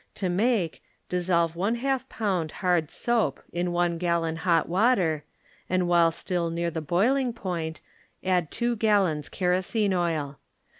To make, dissolve one half pound hard soap in one gallon hot water and while still near the boiling point add two gallons kesosene oil.